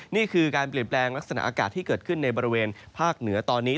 นี่คือการเปลี่ยนแปลงลักษณะอากาศที่เกิดขึ้นในบริเวณภาคเหนือตอนนี้